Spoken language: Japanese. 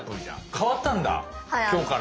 替わったんだ今日から。